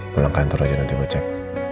pulang kantor aja nanti gue cek